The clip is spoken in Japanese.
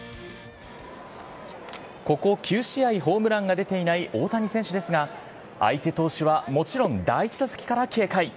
ここ９試合ホームランが出ていない大谷選手ですが、相手投手はもちろん第１打席から警戒。